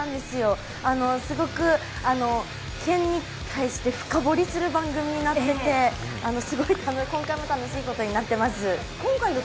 すごく県に対して深掘りする番組になっていて、すごく今回も楽しいことになっています。